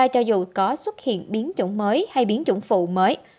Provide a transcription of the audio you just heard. cho dù có xuất hiện biến chủng mới hay biến chủng phụ mới